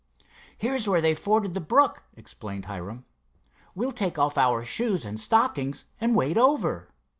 "Here's where they forded the brook," explained Hiram. "We'll take off our shoes and stockings and wade over."